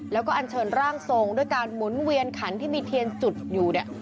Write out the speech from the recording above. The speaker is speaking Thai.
แล้วก็อันเชิญร่างทรงด้วยการหมุนเวียนขันที่มีเทียนจุดอยู่เนี่ย